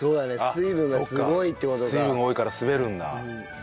水分が多いから滑るんだ。